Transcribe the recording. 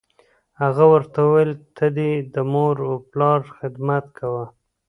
هغه ورته وویل: ته دې د مور و پلار خدمت کوه.